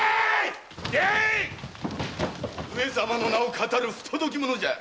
上様の名を騙る不届き者じゃ。